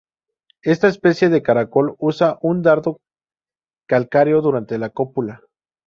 Esta especie de caracol usa un dardo calcáreo durante la cópula.